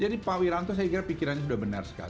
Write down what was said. jadi pak wiranto saya kira pikirannya sudah benar sekali